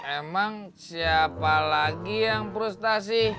emang siapa lagi yang frustasi